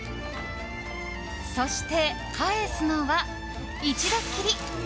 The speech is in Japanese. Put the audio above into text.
そして、返すのは一度きり！